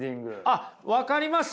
あっ分かります？